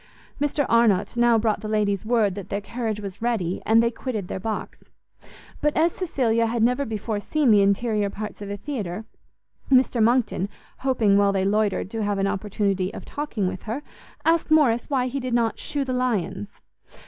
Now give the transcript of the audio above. Mr Arnott now brought the ladies word that their carriage was ready, and they quitted their box: but as Cecilia had never before seen the interior parts of a theatre, Mr Monckton, hoping while they loitered to have an opportunity of talking with her, asked Morrice why he did not _shew the lions?